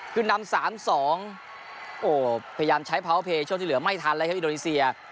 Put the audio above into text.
ขึ้นนำ๓๒โอ้พยายามใช้พาวเพย์ช่วงที่เหลือไม่ทันแล้วครับอินโดนีเซีย